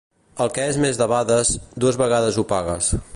El que és debades, dues vegades ho pagues.